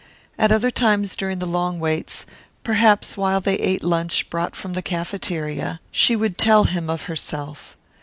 At other times during the long waits, perhaps while they ate lunch brought from the cafeteria, she would tell him of herself.